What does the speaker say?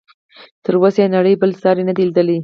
تر اوسه یې نړۍ بل ساری نه دی لیدلی.